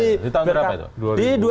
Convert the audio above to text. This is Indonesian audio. di tahun berapa itu